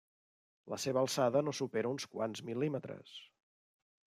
La seva alçada no supera uns quants mil·límetres.